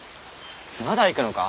まだ行くのか？